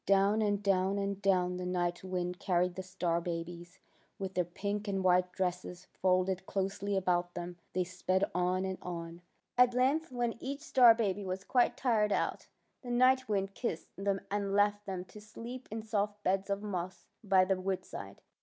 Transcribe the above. Down and down and down the Night Wind THE SHOOTING STARS 177 carried the star babies. With their pink and white dresses folded closely about them they sped on and on. At length, when each star baby was quite tired out, the Night Wind kissed them and left them to sleep in soft beds of moss by the woodside.